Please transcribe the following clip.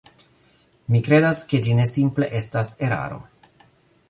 Mi kredas, ke ĝi ne simple estas eraro.